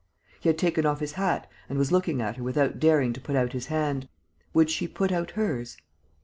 He had taken off his hat and was looking at her without daring to put out his hand. Would she put out hers?